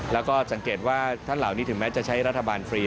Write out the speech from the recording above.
แล้วก็สังเกตว่าท่านเหล่านี้ถึงแม้จะใช้รัฐบาลฟรี